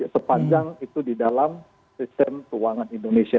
sepanjang itu di dalam sistem keuangan indonesia